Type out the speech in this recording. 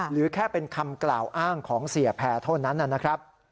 หรือแค่เป็นคำกล่าวอ้างของเสียแพรเท่านั้นนะครับ